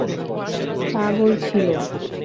পাগল ছিল!